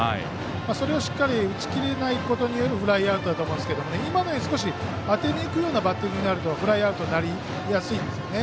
それをしっかり打ち切れないことによるフライアウトだと思うんですけど少し当てにいくようなバッティングをするとフライアウトになりやすいですね。